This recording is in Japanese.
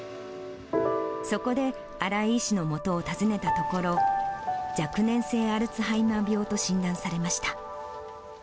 そこで新井医師のもとを訪ねたところ、若年性アルツハイマー病と診断されました。